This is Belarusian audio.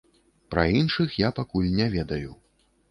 Пра іншых я пакуль не ведаю.